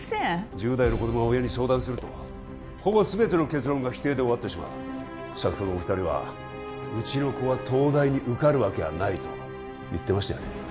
１０代の子供が親に相談するとほぼ全ての結論が否定で終わってしまう先ほどお二人は「うちの子は東大に受かるわけがない」と言ってましたよね？